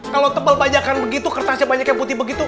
kalau tebel bajakan begitu kertasnya banyaknya putih begitu